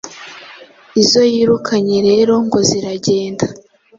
Izo yirukanye rero ngo ziragenda